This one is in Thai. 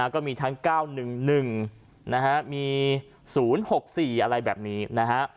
ก็มีทั้ง๙๑๑นะฮะมี๐๖๔อะไรแบบนี้นะฮะ